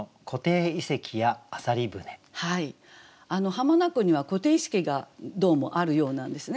浜名湖には湖底遺跡がどうもあるようなんですね。